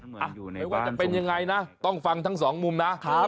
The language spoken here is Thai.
ไม่ว่าจะเป็นยังไงนะต้องฟังทั้งสองมุมนะ